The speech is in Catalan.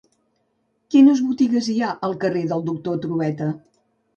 Quines botigues hi ha al carrer del Doctor Trueta?